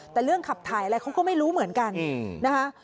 แต่เรื่องขับถ่ายอะไรเขาก็ไม่รู้เหมือนกันนะคะ